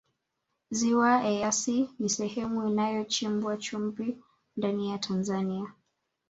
ziwa eyasi ni sehemu inayochimbwa chumvi ndani ya tanzania